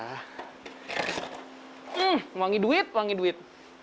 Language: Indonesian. hmm wangi duit wangi duit